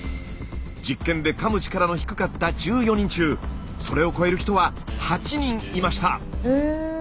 実験でかむ力の低かった１４人中それを超える人は８人いました。